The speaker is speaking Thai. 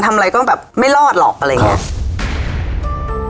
ทำอะไรก็แบบไม่รอดหรอกอะไรอย่างนี้